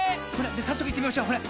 さっそくいってみましょうほら。